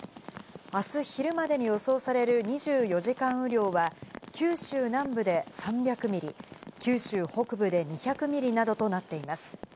あす昼までに予想される２４時間雨量は、九州南部で３００ミリ、九州北部で２００ミリなどとなっています。